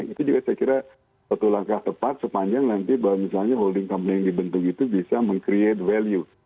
itu juga saya kira satu langkah tepat sepanjang nanti bahwa misalnya holding company yang dibentuk itu bisa meng create value